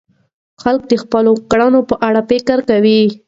خلک د خپلو کړنو په اړه فکر کوي.